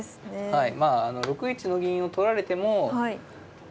はい。